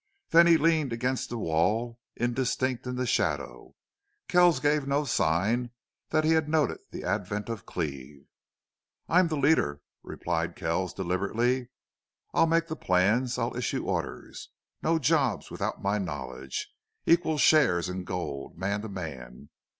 Then he leaned against the wall, indistinct in the shadow. Kells gave no sign that he had noted the advent of Cleve. "I'm the leader," replied Kells, deliberately. "I'll make the plans. I'll issue orders. No jobs without my knowledge. Equal shares in gold man to man....